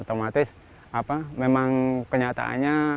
otomatis apa memang kenyataannya